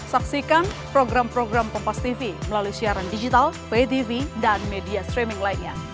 saksikan program program kompastv melalui siaran digital vtv dan media streaming lainnya